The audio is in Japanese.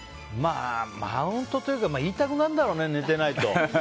マウントというか言いたくなるんだろうね寝てないと。